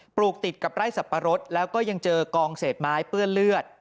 ลูกติดกับไร่สับปะรดแล้วก็ยังเจอกองเศษไม้เปื้อนเลือด